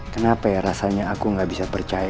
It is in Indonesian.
kenapa ya rasanya aku nggak bisa percaya